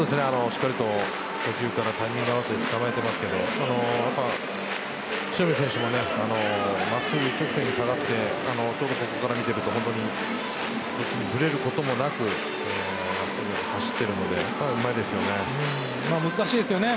しっかりと初球からタイミング合わせて捕まえてますけど塩見選手も一直線に下がってここから見てると本当にブレることもなく真っすぐに走っているのでうまいですよね。